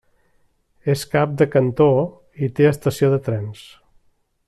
És cap de cantó i té estació de trens.